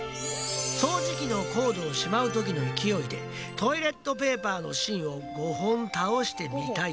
そうじき機のコードをしまうときの勢いでトイレットペーパーの芯を５本倒してみたいって。